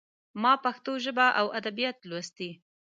ما پښتو ژبه او ادبيات لوستي.